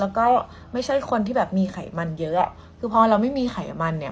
แล้วก็ไม่ใช่คนที่แบบมีไขมันเยอะคือพอเราไม่มีไขมันเนี่ย